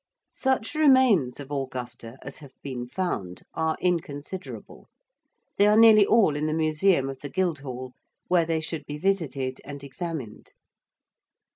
Such remains of Augusta as have been found are inconsiderable: they are nearly all in the museum of the Guildhall, where they should be visited and examined.